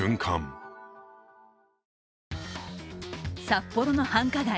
札幌の繁華街